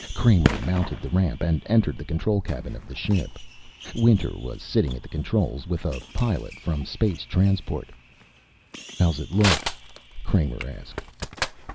Kramer mounted the ramp and entered the control cabin of the ship. Winter was sitting at the controls with a Pilot from Space transport. "How's it look?" Kramer asked.